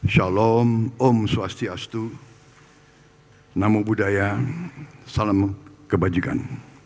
shalom om swastiastu namo buddhaya salam kebajikan